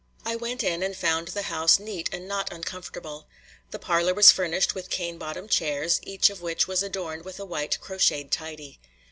I went in and found the house neat and not uncomfortable. The parlor was furnished with cane bottomed chairs, each of which was adorned with a white crocheted tidy.